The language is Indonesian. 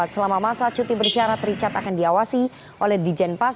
selama masa cuti bersyarat richard akan diawasi oleh dijenpas